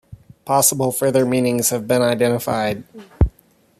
Possible further meanings have been identified.